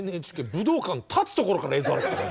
武道館建つところから映像あるからね。